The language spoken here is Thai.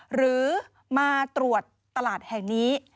หรือมาตรวจตลาดแห่งนี้